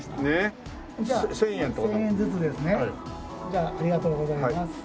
じゃあありがとうございます。